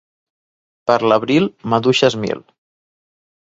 Per l'abril, maduixes mil.